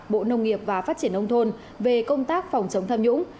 bộ nông nghiệp và phát triển nông thôn về công tác phòng chống tham nhũng